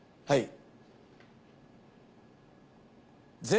はい。